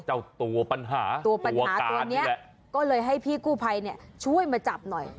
เจ้าตัวปัญหาตัวปัญหาตัวนี้ก็เลยให้พี่กู้ภัยเนี่ยช่วยมาจับหน่อย